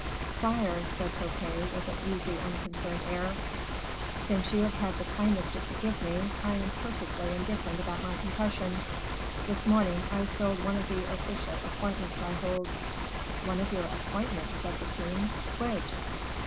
"Sire," said Fouquet, with an easy, unconcerned air, "since you have had the kindness to forgive me, I am perfectly indifferent about my confession; this morning I sold one of the official appointments I hold." "One of your appointments," said the king, "which?"